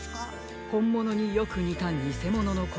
ほんものによくにたにせもののことです。